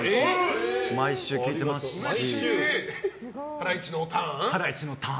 「ハライチのターン！」を？